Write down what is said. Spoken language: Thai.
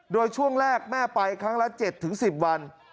โดยช่วงแรกแม่ไปครั้งละ๗๑๐วัน